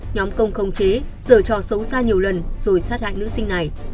nhóm công không chế dở trò xấu xa nhiều lần rồi sát hại nữ sinh này